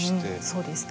そうですね。